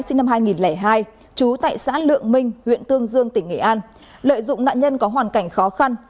sinh năm hai nghìn hai trú tại xã lượng minh huyện tương dương tỉnh nghệ an lợi dụng nạn nhân có hoàn cảnh khó khăn